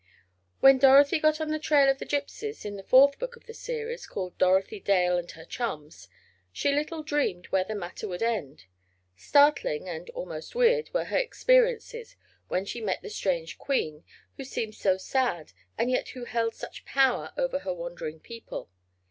When Dorothy got on the trail of the gypsies, in the fourth book of the series, called "Dorothy Dale and Her Chums," she little dreamed where the matter would end. Startling, and almost weird, were her experiences when she met the strange "Queen," who seemed so sad, and yet who held such power over her wandering people.